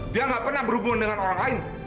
dia nggak pernah berhubung dengan orang lain